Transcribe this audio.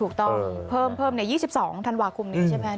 ถูกต้องเพิ่ม๒๒ธันวาคมนี้ใช่ไหม